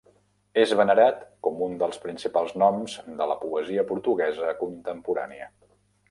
És venerat com un dels principals noms de la poesia portuguesa contemporània.